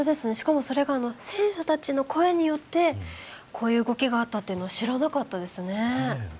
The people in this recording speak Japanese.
選手たちの声によってこういう動きがあったって知らなかったですね。